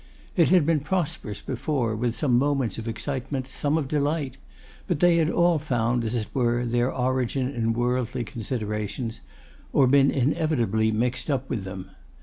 It had been prosperous before, with some moments of excitement, some of delight; but they had all found, as it were, their origin in worldly considerations, or been inevitably mixed up with them.